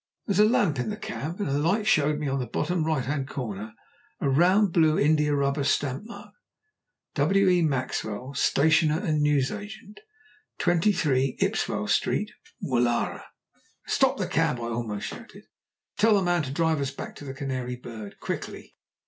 There was a lamp in the cab, and the light showed me on the bottom right hand corner a round blue india rubber stamp mark, "W. E. Maxwell, stationer and newsagent, 23, Ipswell Street, Woolahra." "Stop the cab!" I almost shouted. "Tell the man to drive us back to the Canary Bird quickly."